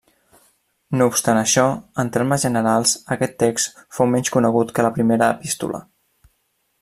No obstant això, en termes generals, aquest text fou menys conegut que la primera epístola.